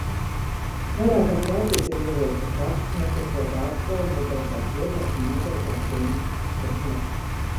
Vairākās valstīs ir ieviesta prakse netirgot alkoholu noteiktās vietās un noteiktās diennakts stundās.